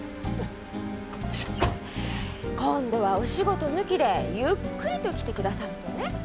今度はお仕事抜きでゆっくりと来てくださるとね。